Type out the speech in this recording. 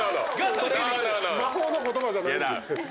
魔法の言葉じゃないんで。